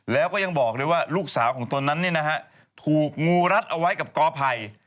แล้วก็ยังบอกเลยว่าลูกสาวของตนนั้นเนี่ยนะฮะถูกงูรัดเอาไว้กับก้อภัย